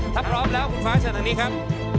ถ้าพร้อมแล้วคุณฟ้าเชิญทางนี้ครับ